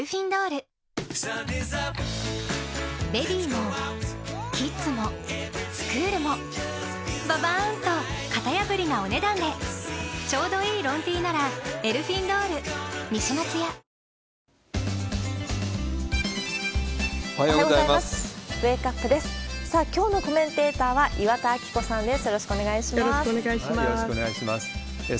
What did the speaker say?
さあ、きょうのコメンテーターは、岩田明子さんです。